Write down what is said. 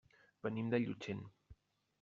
Venim de Llutxent.